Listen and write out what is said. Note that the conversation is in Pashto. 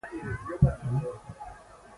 چاکلېټ په زیاته اندازه خوړل ښه نه دي.